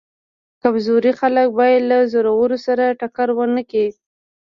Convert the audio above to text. کمزوري خلک باید له زورورو سره ټکر ونه کړي.